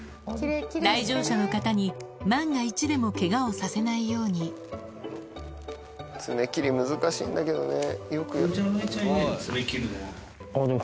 来場者の方に万が一でもケガをさせないように爪切り難しいんだけどね。